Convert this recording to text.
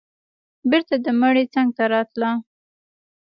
بېرته د مړي څنگ ته راتله.